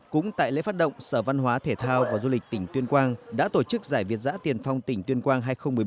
cũng tại lễ phát động sở văn hóa thể thao và du lịch tỉnh tuyên quang đã tổ chức giải việt giã tiền phong tỉnh tuyên quang hai nghìn một mươi bốn